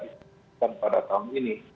disediakan pada tahun ini